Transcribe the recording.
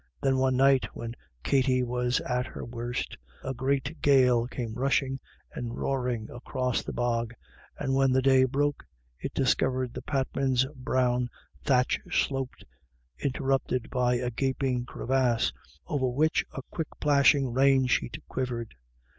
Then, one night, when Katty was at her worst, a great gale came rushing and roaring across the bog, and when the day broke, it discovered the Patmans' brown thatch slope interrupted by a gaping crevasse, over which a quick plashing rain sheet quivered.